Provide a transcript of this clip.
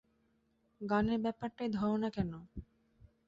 গানের ব্যাপারটাই ধরো না কেন।